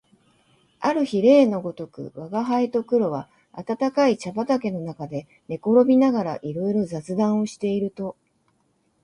ある日例のごとく吾輩と黒は暖かい茶畠の中で寝転びながらいろいろ雑談をしていると、